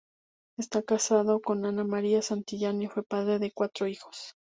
Estaba casado con Ana María Santillán, y fue padre de cuatro hijos.